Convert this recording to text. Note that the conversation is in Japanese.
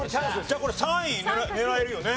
じゃあこれ３位狙えるよね。